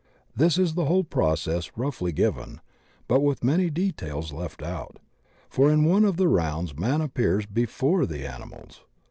This is the whole process roughly given, but with many details left out, for in one of the rounds man appears before the ani mals.